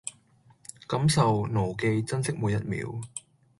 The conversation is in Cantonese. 感受、牢記、珍惜每一秒